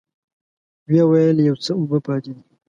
ويې ويل: يو څه اوبه پاتې دي.